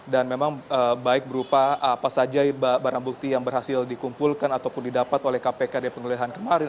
dan memang baik berupa apa saja barang bukti yang berhasil dikumpulkan ataupun didapat oleh kpk di penulisan kemarin